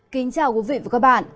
kính chào quý vị và các bạn